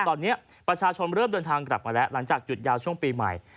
ตอนนี้ประชาชนเริ่มเดินทางกลับมาแล้วหลังจากหยุดยาวช่วงปีใหม่